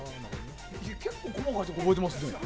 結構、細かく覚えてますね。